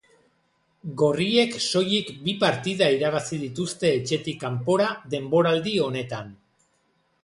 Gorriek soilik bi partida irabazi dituzte etxetik kanpora denboraldi honetan.